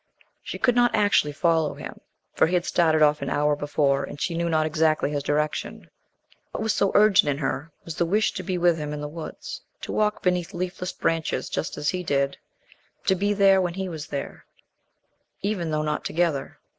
She could not actually follow him, for he had started off an hour before and she knew not exactly his direction. What was so urgent in her was the wish to be with him in the woods, to walk beneath leafless branches just as he did: to be there when he was there, even though not together.